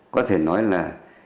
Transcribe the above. có thể nói là